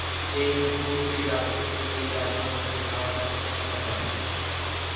এই মুকুট, এই রাজছত্র, এই রাজদণ্ডের ভার কত তাহা জান?